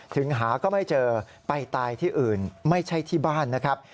ถึงหาก็ไม่เจอไปตายที่อื่นไม่ใช่ที่บ้านนะครับ